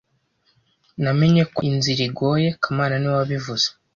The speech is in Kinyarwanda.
Namenye ko inzira igoye kamana niwe wabivuze